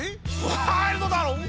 ワイルドだろぉ。